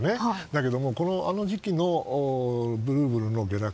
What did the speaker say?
だけどもあの時期のルーブルの下落